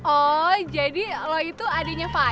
oh jadi lo itu adiknya pak